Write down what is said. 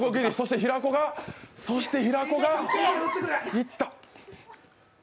そして平子がいった。